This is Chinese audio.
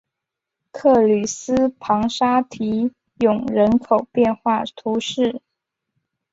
克吕斯旁沙提永人口变化图示